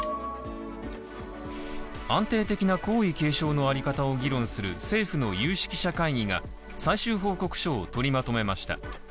安定的な皇位継承のあり方を議論する政府の有識者会議が最終報告書を取りまとめました。